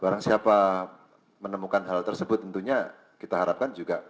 barang siapa menemukan hal tersebut tentunya kita harapkan juga